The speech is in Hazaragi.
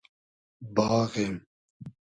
باغیم